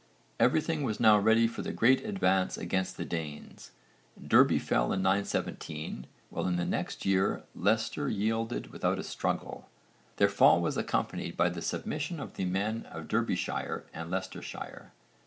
Everything was now ready for the great advance against the Danes. Derby fell in 917, while in the next year Leicester yielded without a struggle. Their fall was accompanied by the submission of the men of Derbyshire and Leicestershire.